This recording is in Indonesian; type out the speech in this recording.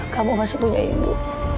kamu masih punya ibu